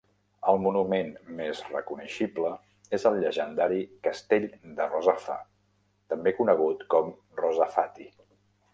El monument més reconeixible és el llegendari Castell de Rozafa, també conegut com Rozafati.